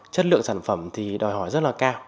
chất lượng sản phẩm thì đòi hỏi rất là cao